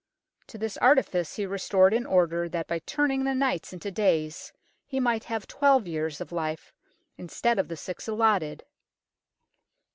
To this artifice he resorted in order that by turning the nights into days he might have twelve years of life instead of the six allotted.